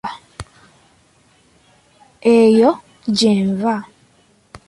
Eyo gye nva.